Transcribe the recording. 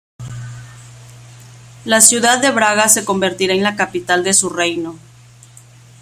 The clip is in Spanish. La ciudad de Braga se convertirá en la capital de su reino.